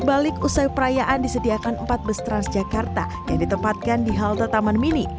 balik usai perayaan disediakan empat bus transjakarta yang ditempatkan di halte taman mini